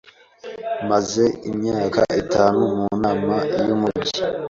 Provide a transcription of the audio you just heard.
Maze imyaka itanu mu nama yumujyi.